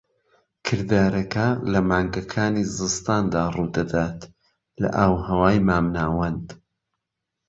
کردارەکە لە مانگەکانی زستاندا ڕوودەدات لە ئاوهەوای مامناوەند.